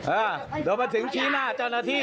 เออโดนมาถึงชี้หน้าเจ้าหน้าที่